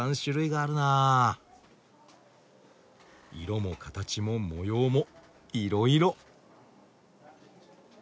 色も形も模様もいろいろ。